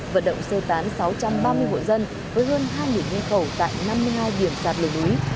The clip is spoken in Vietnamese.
vận động xây tán sáu trăm ba mươi mụn dân với hơn hai ngay khẩu tại năm mươi hai điểm sạt lở núi